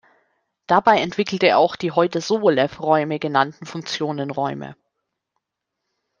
Dabei entwickelte er auch die heute Sobolew-Räume genannten Funktionenräume.